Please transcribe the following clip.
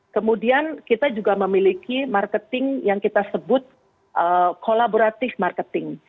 kemudian kita juga memiliki marketing yang kita sebut collaboratif marketing